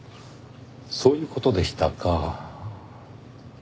そういう事でしたか。